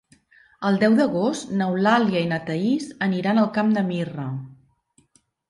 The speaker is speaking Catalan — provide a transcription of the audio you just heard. El deu d'agost n'Eulàlia i na Thaís aniran al Camp de Mirra.